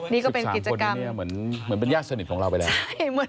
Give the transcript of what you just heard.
นี่ก็เป็น๓คนที่เนี่ยเหมือนเป็นญาติสนิทของเราไปแล้ว